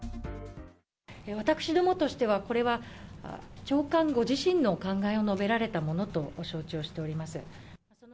私どもとしては、これは長官ご自身のお考えを述べられたものと承知をしております。